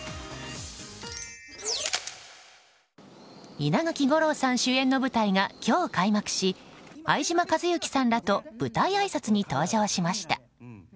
稲垣吾郎さん主演の舞台が今日、開幕し相島一之さんらと舞台あいさつに登場しました。